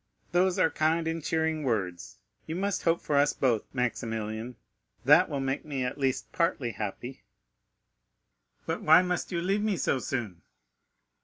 "Those are kind and cheering words. You must hope for us both, Maximilian; that will make me at least partly happy." "But why must you leave me so soon?"